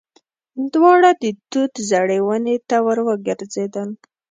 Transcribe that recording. دواړه د توت زړې ونې ته ور وګرځېدل.